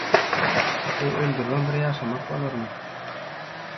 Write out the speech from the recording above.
Heý öldüribem bir ýaşamak bolarmy.